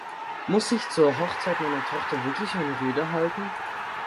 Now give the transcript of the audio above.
Muss ich zur Hochzeit meiner Tochter wirklich eine Rede halten?